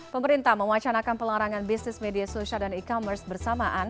pemerintah mewacanakan pelarangan bisnis media sosial dan e commerce bersamaan